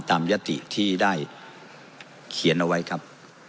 ยติที่ได้เขียนเอาไว้ครับ